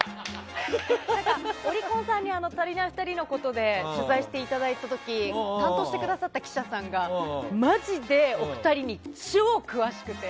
オリコンさんに「たりないふたり」のことで取材していただいた時に担当してくださった記者さんがマジで、お二人に超詳しくて。